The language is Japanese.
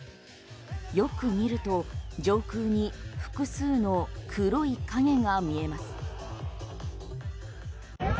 よく見ると上空に複数の黒い影が見えます。